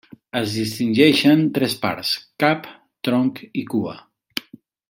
Es distingeixen tres parts: cap, tronc i cua.